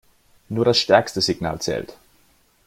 Nur das stärkste Signal zählt.